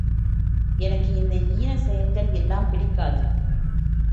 எனக்கு இந்த ஈனச் செயல்கள் எல்லாம் பிடிக்காது.